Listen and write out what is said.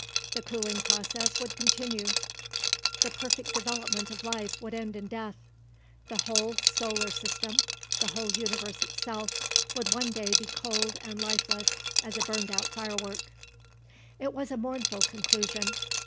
The cooling process would continue; the perfect developement of life would end in death; the whole solar system, the whole universe itself, would one day be cold and lifeless as a burned out firework. It was a mournful conclusion.